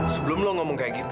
sebelum kamu bilang begitu